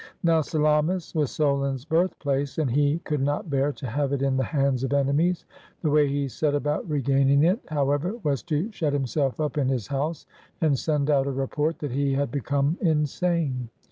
Now Salamis was Solon's birthplace, and he could not bear to have it in the hands of enemies. The way he set about regaining it, however, was to shut himself up in his house and send out a report that he had become in sane.